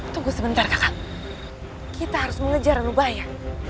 tunggu sebentar kakak kita harus mengejar rubahnya